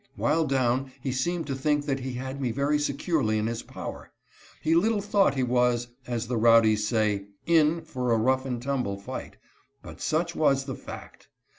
While down, he seemed to think that he had me very securely in his power. He little thought he was — as the rowdies say —" in " for a " rough and tumble " fight ; but such was the fact.